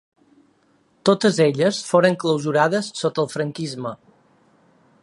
Totes elles foren clausurades sota el franquisme.